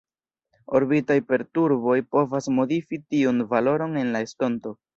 Orbitaj perturboj povas modifi tiun valoron en la estonto.